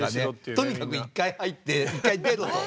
とにかく１回入って１回出ろと。